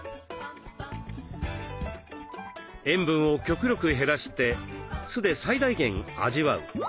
塩分を極力減らして酢で最大限味わう。